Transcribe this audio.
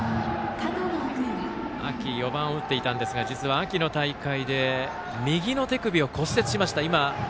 秋は４番を打っていましたが実は秋の大会で右の手首を骨折しました。